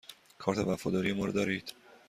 کارت وفاداری ما را دارید؟